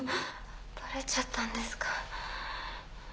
「バレちゃったんですか」